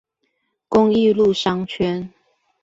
公益路商圈